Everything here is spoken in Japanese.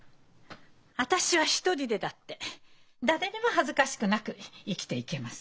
私は一人でだって誰にも恥ずかしくなく生きていけます。